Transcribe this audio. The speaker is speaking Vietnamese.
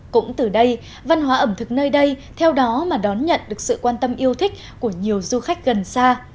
cũng từ đây văn hóa ẩm thực nơi đây theo đó mà đón nhận được sự quan tâm yêu thích của nhiều du khách gần xa